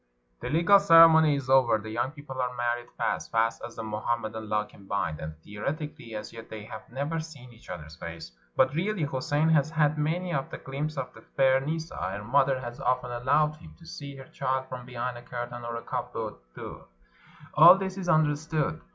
The legal ceremony is over; the young people are married fast, fast as the Mohammedan law can bind. And, theoretically, as yet they have never seen each other's face. But really Houssein has had many a glimpse of the fair Nissa : her mother has often allowed him to see her child from behind a curtain or a cupboard door. All this is understood.